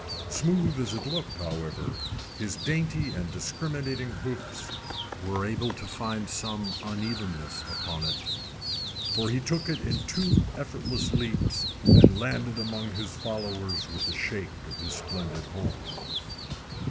Smooth as it looked, however, his dainty and discriminating hoofs were able to find some unevennesses upon it, for he took it in two effortless leaps, and landed among his followers with a shake of his splendid horns.